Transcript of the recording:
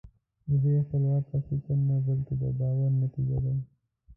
دا د خپلواک فکر نه بلکې د باور نتیجه ده.